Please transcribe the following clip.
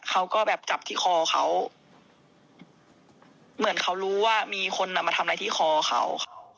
เขาก็แบบจับที่คอเขาเหมือนเขารู้ว่ามีคนอ่ะมาทำอะไรที่คอเขา